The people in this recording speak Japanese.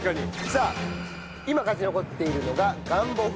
さあ今勝ち残っているのがガンボ風釜飯です。